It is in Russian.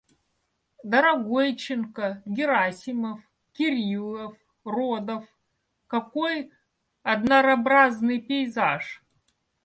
Дорогойченко, Герасимов, Кириллов, Родов — какой однаробразный пейзаж!